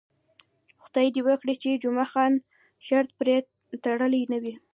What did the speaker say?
خدای دې وکړي چې جمعه خان شرط پرې تړلی نه وي.